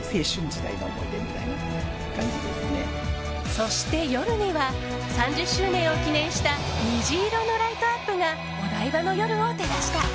そして、夜には３０周年を記念した虹色のライトアップがお台場の夜を照らした。